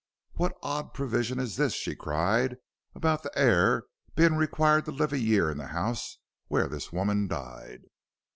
"What odd provision is this," she cried, "about the heir being required to live a year in the house where this woman died?"